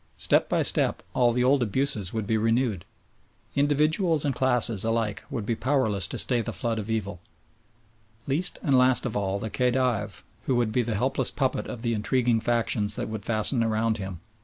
Step by step all the old abuses would be renewed. Individuals and classes alike would be powerless to stay the flood of evil. Least and last of all the Khedive, who would be the helpless puppet of the intriguing factions that would fasten around him.